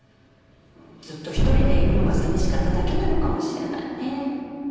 ずっと一人でいるのが寂しかっただけなのかもしれないね。